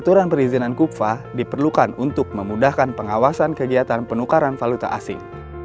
untuk memudahkan pengawasan kegiatan penukaran valuta asing